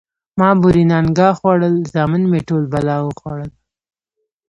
ـ ما بورې نانګه خوړل، زامن مې ټول بلا وخوړل.